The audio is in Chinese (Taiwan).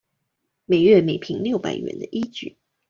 每月每坪六百元的依據